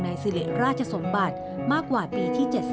ในศิลตริจาราชสมบัติมากกว่าปี๗๐